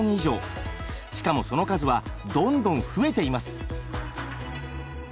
しかもその数はどんどん増えています。